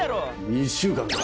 「２週間か」